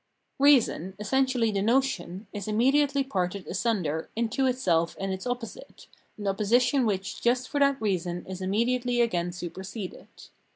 Reason, essentially the notion, is immediately parted asunder into itself and its opposite, an opposition which just for that reason is immediately again superseded.